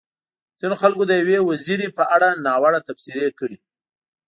ځينو خلکو د يوې وزيرې په اړه ناوړه تبصرې کړې.